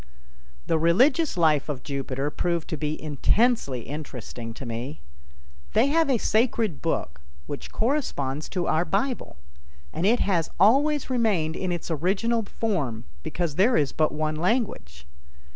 The religious life of Jupiter proved to be intensely interesting to me. They have a sacred book which corresponds to our Bible, and it has always remained in its original form because there is but one language.